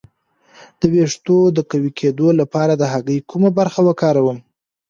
د ویښتو د قوي کیدو لپاره د هګۍ کومه برخه وکاروم؟